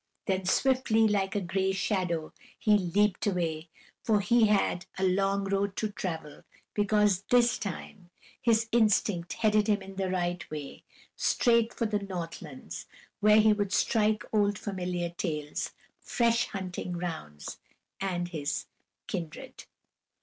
Then swiftly, like a gray shadow, he leaped away for he had a long road to travel, because this time his instinct headed him in the right way, straight for the North Lands, where he would strike old familiar trails, fresh hunting grounds, and his kindred.